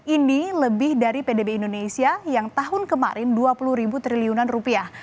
ini lebih dari pdb indonesia yang tahun kemarin dua puluh ribu triliunan rupiah